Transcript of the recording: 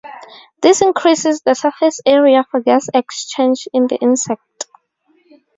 This increases the surface area for gas exchange in the insect.